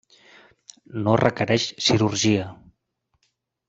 No requereix cirurgia.